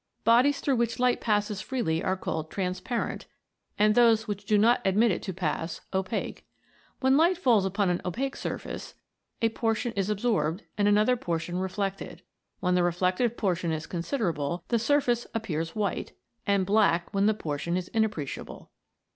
Bodies through which light passes freely are called trans parent, and those which do not admit it to pass, opaque. When light falls iipon an opaque surface a portion is absorbed and another portion reflected ; when the reflected portion is considerable the sur face appears white, and Hack when the portion is inappreciable.